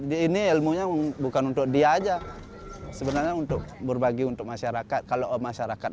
di ini ilmunya bukan untuk dia aja sebenarnya untuk berbagi untuk masyarakat kalau masyarakat